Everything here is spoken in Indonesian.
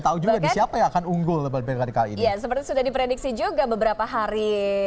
tahu juga di siapa yang akan unggul kali ini seperti sudah diprediksi juga beberapa hari